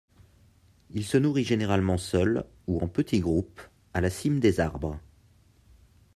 Il se nourrit généralement seul ou en petit groupe à la cime des arbres.